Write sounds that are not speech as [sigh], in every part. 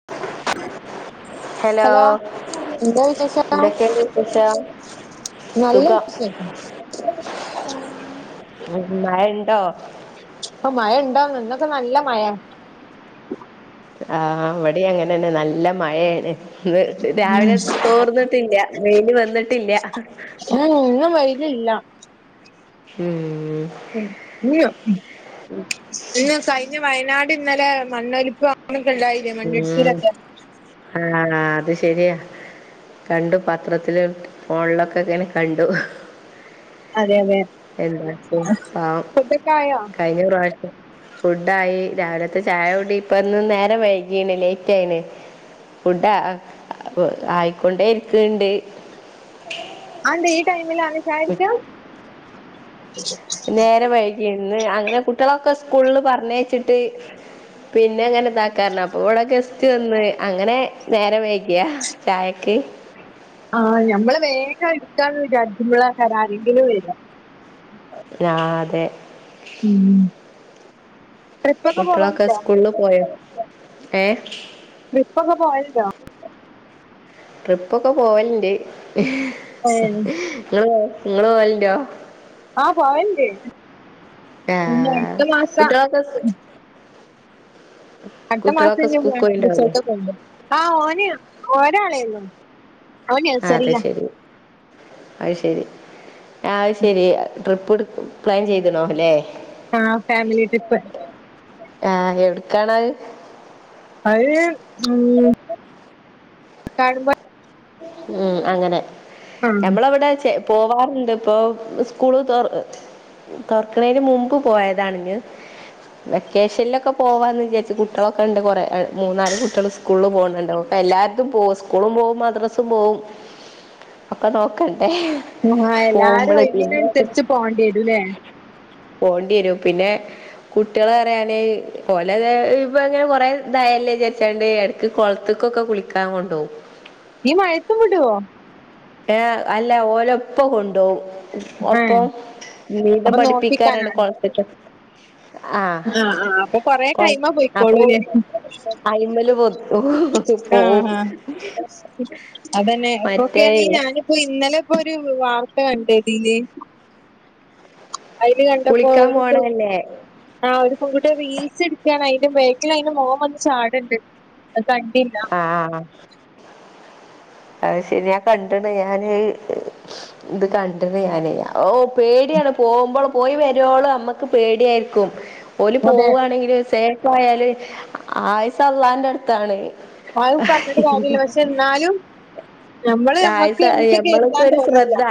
[inaudible] Hello എന്താ വിശേഷക്കെ എന്തൊക്കെയുണ്ട് വിശേഷം നല്ല സുഖം വിശേഷം ഉം മഴഉണ്ടോ ഇപ്പ മഴ ഉണ്ടാന്നോ ഇന്നൊക്കെ നല്ല മഴയാ ആ അവിടെ അങ്ങനെ തന്നെ നല്ല മ മഴയാണ് ഇന്ന് ഉം രാവിലെ തോർന്നിട്ടില്ല വെയില് വന്നിട്ടില്ല ഉം ഇന്നും വെയിലില്ല ഉം ഉം ഉം ഇന്ന് കഴിഞ്ഞ വയനാട് ഇന്നലെ മണ്ണൊലിപ്പ് അങ്ങനൊക്കെ ഉണ്ടായില്ലേ ഉം മണ്ണിടിച്ചിലൊക്കെ ആഹ് അത് ശരിയാ കണ്ടു പത്രത്തില് ഫോണിലൊക്കെങ്ങനെ കണ്ടു. അതെ അതെ എന്താച്ചേയ്യാ പാവം ഫുഡൊക്കെ ആയോ കഴിഞ്ഞ പ്രാവിശം ഫുഡായി രാവിലത്തെ ചായ കൂടി ഇപ്പ ഇന്ന് നേര വേയ്യ്- എണ്ണിക്ക ലേറ്റ് ആയി ഫുഡ് ആ ആയിക്കൊണ്ടേരിക്കുന്നുണ്ട്.. അന്തേ ഈ ടൈംമിലാണ് ചായടിക്ക നേരെ വഴിക്കിന്ന് അങ്ങനെ കുട്ടികളൊക്കെ സ്കൂളില് പറഞ്ഞ യച്ചിട്ട് പിന്നെ ങ്ങനെ ഇതാക്കാറ് അപ്പൊ ഇവിടെ ഗസ്റ്റ് വന്ന് അങ്ങനെ നേരെ വയ്യ്ക്കിയ ചായക്ക് ആഹ് ഞമ്മള് വേഗം എടുക്കാന്ന് വിചാരിക്കുമ്പോഴാണ് ആരെങ്കിലും വരാ അ അതെ ഉം ട്രിപ്പൊക്കെ കുട്ടികളൊക്കെ പോവലുണ്ടോ സ്കൂളില് പോയോ ഏ ട്രിപ്പൊക്കെ പോയല്ലോ ട്രിപ്പൊക്കെ പോവലിണ്ട് ഈ ഏഹ് നിങ്ങള് പോ നിങ്ങള് പോവലുണ്ടോ ആഹ പോവലുണ്ട് ആ പിന്നെ അടുത്ത മാസ കുട്ടികളൊക്കെ അടുത്ത മാസം കുട്ടികളൊക്കെ ഇഞ്ഞു സ്കൂൾക്ക് പോണ്ട് പോയിണ്ടാവൂലേ റിസോൾട്ടി പോണ്ണ്ട് ആ ഓന ഒരാളരുന്നു ആ അത് ശരി അ യ്രി ആയ്ശരി ട്രിപ്പ് എടു പ്ലാൻ ചെയ്തണോ അല്ലേ ആഹ ഫാമിലി ട്രിപ്പ് ആഹ എവിടക്കാണത് അത് ഉം കാണുമ്പോ [unintelligible] ഉം അങ്ങനെ ആ ഞമ്മളവിടെ പോവാറുണ്ട് ഇപ്പൊ സ്കൂള് തോറ- തോർക്കണേന് മുമ്പ് പോയതാണ് വെക്കേഷനിലൊക്കെ പോവാന്ന് വിചാരിച്ചു കുട്ടികളൊക്കെ ഉണ്ട് കുറെേ മൂന്നാല് കുട്ടികൾ സ്കൂ- സ്കൂളിൽ പോകുന്നുണ്ടാവോവും എല്ലാത്തും പോകും സ്കൂളും പോകുമദ്രസ സുപോവും ഒക്കെ നോക്കണ്ടേ ആ എല്ലാരും പോകുമ്പളേ പിന്നെ ഒഴിവിനനനുസരിച്ച് പോണ്ടിരൂല്ലേ പോണ്ടിരൂ പിന്നെ കുട്ടികളെ പറയാനേ ഓലെ ഇപ്പ ഇങ്ങനെ കൊറെ ദായല്ലേ വിചാരിച്ചണ്ട് ഇടക്ക് കൊൾ ത്തക്കൊക്കെ കുളിക്കാൻ കൊണ്ടോകും നീ മഴത്തും വിടോ ഏ അല്ല ഓരുപ്പ കൊണ്ടോവും ഏ ഒപ്പം നീന്തം അപ്പൊ പഠിപ്പിക്കാറണ്ട് നോക്കിക്കാനുണ്ടോ കൊളത്തക് ആഹ ആ ആ അപ്പൊ കൊറേ കൊ കൈമ അപ്പൊ പോയിക്കോളൂല്ലേ അയി്മല് പൊത്തു ഒത്ത് ആ പോകും ആ അതന്നെ ഇപ്പൊക്കെയാണെ ഞാനിപ്പോ ഇന്നലെ ഇപ്പോ ഒരു വാർത്ത കണ്ടതില് അയില് കണ്ടപ്പോ കുളിക്കാൻ ഒരു പോണല്ലേ ആ് ഒരു കൂട്ടിയെ റീൽസ് എടുക്കാണ് അതിൻ്റെ ബേക്കിൽ അതിൻ്റെ മോൻ വന്ന് ചാടുണ്ട് ത് കണ്ടില്ല ആഹ അത് ശരിയാ കണ്ടണ് ഞാന് ഇത് കണ്ടണ് ഞാന്യ ഓ പേടിയാണ് പോകുമ്പോൾ പോയി വരുവോള് അമ്മക്ക് പേടിയായിരിക്കും ഓർ അതെ പോവുവാണെങ്കില് സേഫ് ആയാല് ആയിസ് അള്ളാന്റെ അടുത്താണ് അത് പറഞ്ഞിട്ട് ആഹ് കാര്യമില്ല പക്ഷെ എന്നാലും നമ്മള് നമ്മക്ക് ആയുസ്സ് നമുക്ക് മ്മളൊക്കെ കരുതാൻ ഒരു തോന്നില്ല ശ്രദ്ധ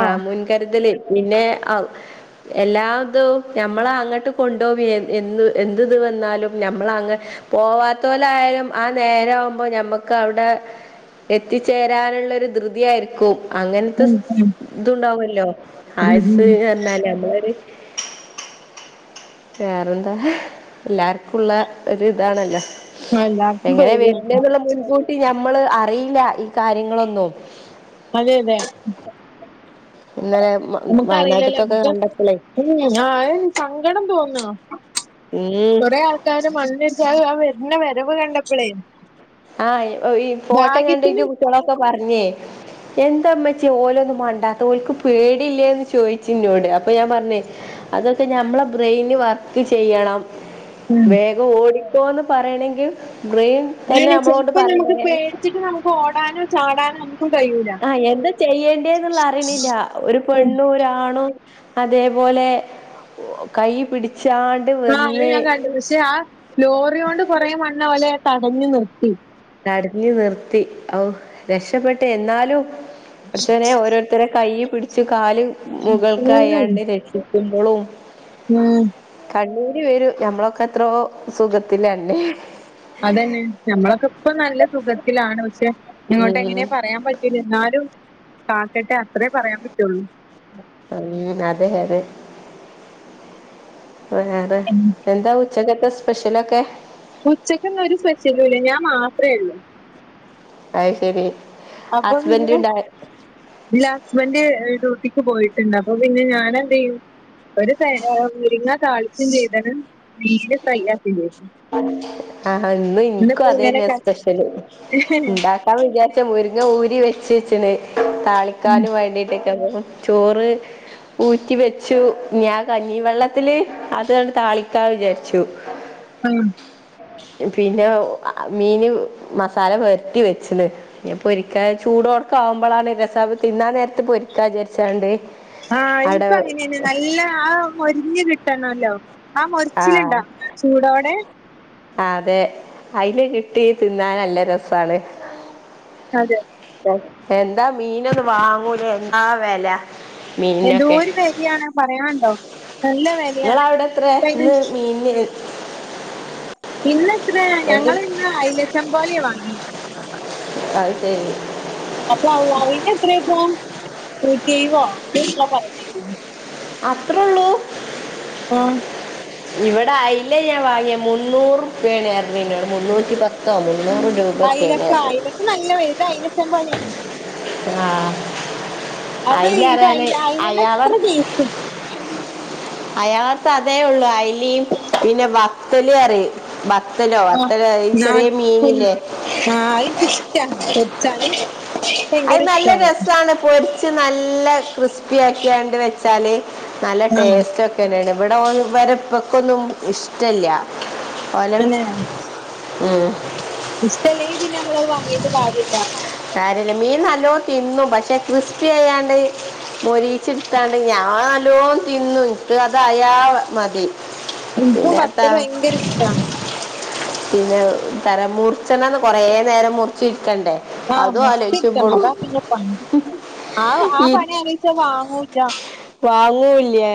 ആ മുൻകരുതലിൽ പിന്നെ ആ എല്ലാതും പോവാത്ത ലായാലു ആ നേരം ആവുമ്പോ ഞമ്മക്ക് അവിടെ എത്തിച്ചേരാനുള്ളൊരു ധൃതിയായിരിക്കും. അങ്ങനത്തെ ഉം ഉം സ്ഇതുണ്ടാവുല്ലോ? ഉം ആയസ് ഉം. എന്നാല് നമ്മളൊരു- - വേറെന്താ എല്ലാർക്കും ഉള്ള ഒരു ഇതാണല്ലോ. എല്ലാർക്കും എങ്ങനെ പേടിയാണ് വരുന്നേന്നുള്ള മുൻകൂ ഞമ്മള് അറിയില്ല ഈ കാര്യങ്ങളൊന്നും. അതെ അതെ ഇന്നലെ വയനാട്ടത്തൊക്കെ കണ്ടപ്പളേ ആയ് സങ്കടം തോന്നാ. ഉം ഹ് ക്കാര മണ്ണിച്ചാൽ ആ വരുന്ന വരവ് കണ്ടപ്പോളേ ആഹ് ഈ ഫോട്ട കണ്ടിട്ടും ളൊക്കെ പറഞ്ഞേ എന്താ ഉമ്മച്ചി ഓലൊന്നും മണ്ടാത്തെ ഓലക്ക് പേടില്ലേന്ന് ചോദിച്ച ന്നോട് അപ്പൊ ഞാൻ പറഞ്ഞേ അതൊക്കെ ഞമ്മടെ ബ്രെയിന് വർക്ക് ചെയ്യണം ഉം വേഗം ഓടിക്കോന്ന് പറയണെങ്കിലും ബ്രെയിൻ തന്നെ അങ്ങനെ നമ്മളോട് ചെലപ്പം നമ്മുക്ക് പറയണ്ടേ പേടിച്ചിട്ട് നമ്മുക്ക് ഓടാനോ ചാടാനോ നമ്മുക്ക് കഴിയൂല. ആഹ് എന്ത് ചെയ്യേണ്ടേ എന്നുള്ള അറിവില്ല ഒരു ഉം. പെണ്ണും ഒരാണും അതേപോലെ കൈ പിടിച്ചാ ആഹ് അത് ഞാൻ കണ്ടത് പക്ഷെ ആ ലോറി കൊണ്ട് കുറേ മണ്ണ് പോലെ തടഞ്ഞു നിർത്തി. തടിഞ്ഞു നിർത്തി ഓഹ് രക്ഷപ്പെട്ട് എന്നാലും പടച്ചോനേ ഓരോ ഇത്ര കൈ പിടിച്ച് കാല് മുകൾക്ക് ഉം അയാണ്ട് രക്ഷിക്കുമ്പോളും ഉംഹ് കണ്ണൂര് വരും. ഞമ്മളൊക്കെ എത്രോ സുഖത്തിലാല്ലേ. അത് തന്നെ നമ്മളൊക്കെ ഇപ്പ നല്ല സുഖത്തിലാണ് പക്ഷെ ഇങ്ങോട്ട് ഉം എങ്ങനെയാപറ പറയാൻ പറ്റൂല്ല. എന്നാലും കാക്കട്ടെ അത്രേ പറയാൻ പറ്റുള്ളൂ. ഉം അതെ അതെ ഉം എന്താ ഉച്ചകത്തെ സ്പെഷ്യലൊക്കെ? ഉച്ചക്കൊന്നു ഒരു സ്പെഷ്യലു ഇല്ല. ഞാൻ മാത്രേ ഉള്ളൂ. അയ് ശരി. അപ്പൊ ഹസ്ബൻഡ് പിന്നെ ഉണ്ടാ ഇല്ല ഹസ്ബൻഡ് ഡ്യൂട്ടിക്ക് പോയിട്ടുണ്ട് അപ്പൊ പിന്നെ ഞാൻ എന്ത് ചെയ്യും. ഒരു മുരിങ്ങ താളിച്ച് ചെയ്തും നീര് തൈരാക്കി ചെയ്തു. ആഹ്ഹാ ഇന്നും എനിക്കും ഇന്നിപ്പോ അത് ഇങ്ങനെ തന്നെയാ ക- സ്പെഷ്യല് ഉണ്ട ഞാൻ വിചാരിച്ച മുരിങ്ങ ഊരി വെച്ച വെച്ചിക്കണ് ഉം. താളിക്കാനും വേണ്ടീട്ട്. [unintelligible] ചോറ് ഊറ്റി വെച്ചു. ഞാൻ കഞ്ഞീ വെള്ളത്തില് അത് അങ്ങട്ട് താളിക്കാ വിചാരിച്ചു. ഉംഹ് പിന്നെ മീന് മസാല പുരട്ടി വെച്ചിണ്. പൊരിക്ക ചൂടോടെക്കെ ആവുമ്പോളാണ് രസം അത് തിന്നാ നേരത്ത് പൊരിക്കാവിചാരിച്ചോണ്ട് ആഹ് ഇപ്പ അങ്ങനെ തന്നെ നല്ല ആഹ് മൊരിഞ് കിട്ടണല്ലോ ആ മൊരിച്ചിലുണ്ടാ ചൂടോടെ ആ അതെ അതില് കിട്ടി തിന്നാൻ നല്ല രസാണ്. അതെ എന്താ മീനൊന്നും വാങ്ങൂല എന്താ വില? എന്തോരു വിലയാണ്. പറയാനുണ്ടോ. നല്ല വിലയാണ്. ഇന്നത് ഇന്ന എത്ര ഞങ്ങള് ഇന്ന് അയലചെമ്പോലയാ വാങ്ങിയത്. അത് ശരി. അപ്പ അയില എത്രേയാപ്പൊ നൂറ്റ്റിഴത് അങ്ങനെ ക പറയണകെട്ട് അത്രേ ഉള്ളൂ ആഹ് [inaudible] ഇവിടെ അയ്ല്ലെയാ ഞാൻ വാങ്ങിയെ മുന്നൂറുപയ്യ ന്നപറഞ്ഞനൊട് മുന്നൂറ്റി പത്തോ മുന്നൂറ് രൂപ അയലക്കെ അയലൊക്കെ നല്ല വലുത് അനഞ്ജൂറ്റിയബതാണ് ആഹ അത് അയില ഇത് അറാന് അയില അയിലന്റെ അയാള അത്ര [inaudible] ടേസ്റ്റ് അയാൾടെ അടത്ത് അതേള്ളൂ അയലീം പിന്നെ വത്തല് പറയും വ വത്തലോ ബത്തലോ ഈ ചെറിയ മീനില്ലേ ആഹ് അതന്ക്ക് ഇഷ്ടാണ് പൊരിച്ചാല് അത് ഭയങ്കര നല്ല ഇഷ്ടായി രസാണ് പൊരി ച്ച് നല്ല ക്രിസ്പി ആക്കിയാണ്ട് വെച്ചാല് നല്ല ആ ടേസ്റ്റ് ഒക്കെ വനാണ് ഇവിടെ ഇവരപ്പക്കൊന്നും ഇഷ്ടല്ല ഓലം പിന്നെ ഉം ഇഷ്ടല്ലേങ്കിപിന്നെ നമ്മളത് വാങ്ങീട്ട് കാര്യമില്ല കാര്യമല്ല മീൻ നല്ലോണം തിന്നും പക്ഷെ ക്രിസ്പി അയാണ്ട് മൊരി ചിട്ടാണ്ട് ഞാങ്ങള് നല്ലോണം തിന്നും ന്ക്ക് അതയാ മതി എനിക്കും പിന്നെ എന്താ ബത്തൽ ഭയങ്കര ഇഷ്ടാ പിന്നെ തര മുറിച്ചെണ്ണത് കൊറേ നേരം മുറച്ച് ഇരിക്കണ്ടേ ആഹ് മുറിചിരിക്കണം അതാ പിന്നെ പണി ആഹ് ആഹ് പണിയാലോയിച്ച വാങ്ങൂല്ല വാങ്ങൂല്ല്യ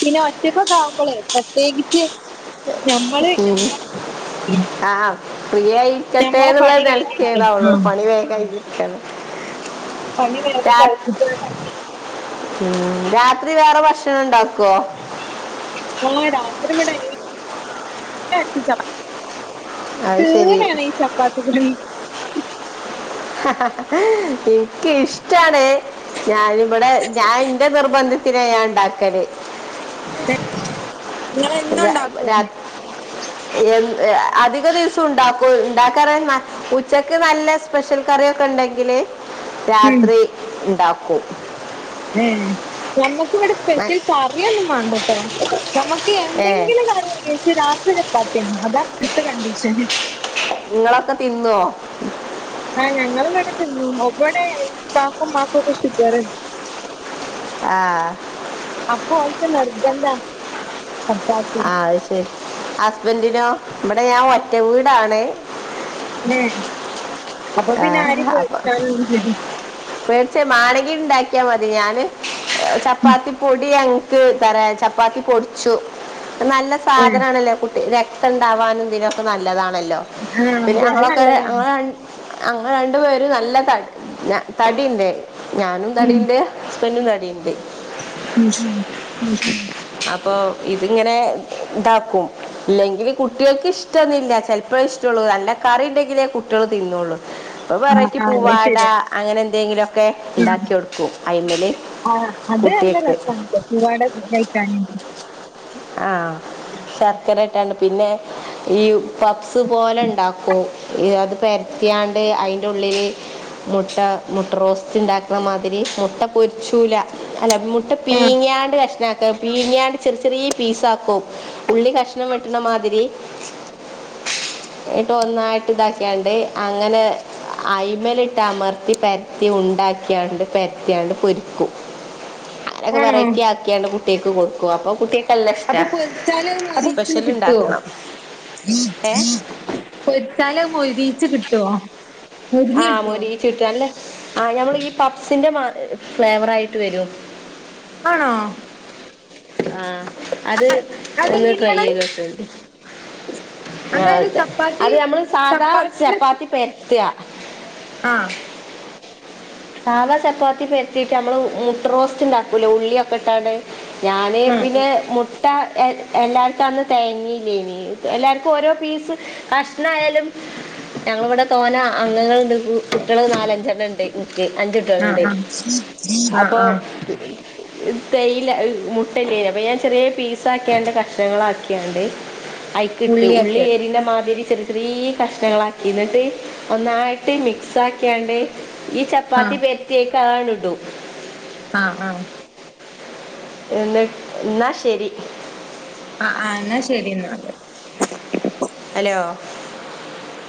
പിന്നെ ഒറ്റക്കൊക്കാവുമ്പോളേ പ്രത്യേകിച്ച് ഞമ്മള് ഉം ആഹ് ഫ്രിയായിരിക്കട്ടെ ഞമ്മളെ എന്നുള്ള പണി നിലക്ക് കഴിഞ്ഞിരിക്കും ആ ഏതാവള്ളൂ പണി വേഗായിരിക്കന്ന് പണി വേഗം കഴിച്ചിട്ട് ഉം രാത്രി വേറെ ഭക്ഷണം ഉണ്ടാക്കുവോ ആഹ് രാത്രി ഇവിടെ എല്ലാർക്കും ചപ്പാ അത് ശരി തീരുവേലേ ഈ ചപ്പാത്തി പണി എനിക്ക് ഇഷ്ടാണ് ഞാനിവിടെ ഞാൻ എന്റെ നിർബന്ധത്തിലാ ഞാൻ ഇണ്ടാക്കല് [inaudible] നിങ്ങൾ എന്നും രാ ഉണ്ടാക്കും ന്ത് അ അധിക ദിവസം ഉണ്ടാക്കും ഉണ്ടാക്കാറാണ് ഉച്ചക്ക് നല്ല സ്പെഷ്യൽ കറിയൊക്കെ ഉണ്ടെങ്കില് ഉം. രാത്രി ഉണ്ടാക്കും ഉം നമ്മക്ക് ഇവിടെ ന- സ്പെഷ്യൽ കറിയൊന്നും വേണ്ടട്ടോ നമുക്ക് ഏ എന്തെങ്കിലും കറി മതി വെച്ച രാത്രി ചപ്പാത്തിയാണ് അതാ ഇപ്പഴത്തെ കണ്ടീഷന് നിങ്ങളൊക്കെ തിന്നുവോ ആഹ് ഞങ്ങൾ ഇവിടെ തിന്നു ഒവിടെ ഇപ്പാക്കും ഉമ്മാക്കുംക്കെ ഷുഗറുണ്ട് ആഹ് അപ്പൊ ഓർക്ക് നിർബന്ധാ ആഹ് അത് ശെരി ഹസ്ബന്റിനോ ഇവിടെ ഞാൻ ഒറ്റ വീടാണെ ഏഹ് അപ്പൊ ആ, പിന്നെ ആരേം പേടിച്ചാനൊന്നില്ലല്ലോ ചെ മാണെങ്കിൽ ഇണ്ടാക്കിയാൽ മതി ഞാന് ചപ്പാത്തി പൊടി എന്താ പറ ചപ്പാത്തി പൊടിച്ചു നല്ല ഏ സാധനണല്ലൊ കുട്ടിക ര രക്തണ്ടവാൻ ഇതിനൊക്കെ നല്ലതാണല്ലോ ആ പിന്നെ അതെ അത് ഞങ്ങളൊക്കെ നല്ലതാണ് ഞങ്ങ ഞങ്ങൾ രണ്ടു പേരും നല്ല ത ഞ തടിയ്ണ്ട് ഞാനും ഉം, തടിയ്ണ്ട് ഹസ്ബന്റും തടിണ്ട് [unintelligible] അപ്പൊ ഇതിങ്ങനെ ഇതാക്കും ഇല്ലെങ്കിൽ കുട്ടികൾക്ക് ഇഷ്ടൊന്നില്ല ചെലപ്പോ ഇഷ്ടള്ള നല്ല കറി ഉണ്ടെങ്കിലേ കുട്ട്യോൾ തിന്നോളും ഇപ്പൊ ആ വെറൈറ്റി ആ അത് പൂവാട ശരിയാ അങ്ങനെ എന്തെങ്കിലുമൊക്കെ ഉണ്ടാക്കി കൊടുക്കും അയിമല് ആഹ് അത് നല്ല കുട്ടികൾക്ക് രസമാണ് പൂവാട കഴിക്കാനണ്ട് ആഹ് ശർക്കര പിന്നെ ഈ പപ്സ് പോലെ ഇണ്ടാക്കും പെരത്തിയാണ്ട് അതിന്റെ ഉള്ളില് മുട്ട മുട്ട റോസ്റ്റ് ഉണ്ടാക്കുന്നമാതിരി മുട്ട പൊരിച്ചൂല അല്ല മുട്ട ആ പീങ്ങിയാണ്ട് കഷ്ണ പീങ്ങിയാണ്ട് ചെറിയ ചെറിയ പീസ് ആക്കും ഉള്ളി കഷ്ണം വെട്ട്ണ മാതിരി ഇട്ട് ഒന്നായിട്ട് ഇതാക്കിയാണ്ട് അങ്ങനെ ഐമലിട്ട് അമർത്തി പരത്തി ഉണ്ടാക്കിയാണ്ട് പരത്തിയാണ്ട് പൊരിക്കും അങ്ങ്നെ ആണോ വെറൈറ്റി ആക്കിയാണ്ട് കുട്ടിയാക്ക് കൊടുക്കും അപ്പൊ കുട്ടിയ അപ്പൊ പൊരിച്ചാല് മൊരിച്ചത് കിട്ടുവോ ഉണ്ടാക്കണം ഏ പൊരിച്ചാല് മൊരിച്ച് കിട്ടോ ആഹ് മൊരി കിട്ടും അല്ലേ ആ ഞമ്മൾ ഈ പപ്സിന്റെ ഫ്ലേവർ ആയിട്ട് വരും ആണോ ആഹ് അത് ഒന്ന് ട്രൈ അതെങ്ങനെയാണ് ചെയ്ത് നോക്ക ആ അതായത് അതെ ചപ്പാത്തി അത് നമ്മള് സാധാ ചപ്പാത്തിന്റെ ചപ്പാത്തി പെരുത്താ ആഹ് സാധാ ചപ്പാത്തി പരുത്തിയിട്ട് നമ്മൾ മുട്ടറോസ്റ്റ് ഉണ്ടാക്കൂല്ലേ ഉള്ളിയൊക്കെ ഇട്ടാണ്ട് ഞാന് ആഹ് പിന്നെ മു ട്ട എല്ലാവർക്കും അന്ന് തേയ് ഞ്ഞില്ലേനി എല്ലാവർക്കും ഓരോ പീസ് കഷ്ണയാലും ഞങ്ങളിവിടെ തോന്ന അംഗങ്ങളുണ്ട് കുട്ടികൾ നാലഞ്ചെണ്ണം ഇണ്ട് നിക്ക അഞ്ച് കുട്ടോള് ആഹ് ഉണ്ട് ആഹ് ആഹ് അപ്പോ ആഹ് തേയില മുട്ട ഇല്ലേയനി അപ്പൊ ഞാൻ ചെറിയ പീസ ആക്കിയാണ്ട് കഷ്ണങ്ങള് ആക്കിയാണ്ട് അയിക്കി ഇട്ട് ഉള്ളി ഉള്ളിയാക്കിയിട്ട് എരിയണമാതിരി ചെറി റീ കഷ്ണങ്ങളാക്കി ഇന്നിട്ട് ഒന്നായിട്ട് മിക്സ് ആക്കിയാണ്ട് ഈ ച ചപ്പാത്തി ആഹ് പെരത്തിയേക്ക് ആഇടും ആഹ് ആഹ് എന്നി ഇന്നാ ശരി ആഹ് ആഹ് എന്ന ശരി എന്നാല്ല് ഹലോ